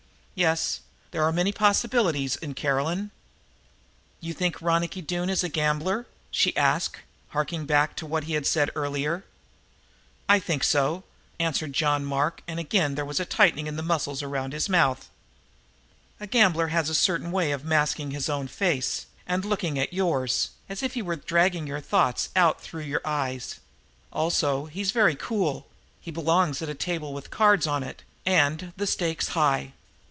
Yes, there are many possibilities in Caroline." "You think Ronicky Doone is a gambler?" she asked, harking back to what he had said earlier. "I think so," answered John Mark, and again there was that tightening of the muscles around his mouth. "A gambler has a certain way of masking his own face and looking at yours, as if he were dragging your thoughts out through your eyes; also, he's very cool; he belongs at a table with the cards on it and the stakes high."